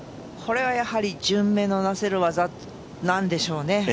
これは順目のなせる技なんでしょうね。